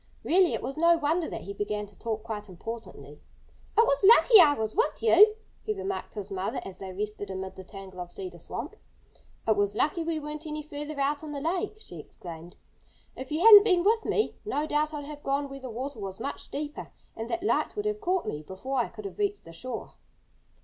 Really it was no wonder that he began to talk quite importantly. "It was lucky I was with you," he remarked to his mother as they rested amid the tangle of Cedar Swamp. "It was lucky we weren't any further out in the lake," she exclaimed. "If you hadn't been with me no doubt I'd have gone where the water was much deeper. And that light would have caught me before I could have reached the shore."